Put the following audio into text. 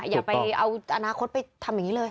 อย่าไปเอาอนาคตไปทำอย่างนี้เลย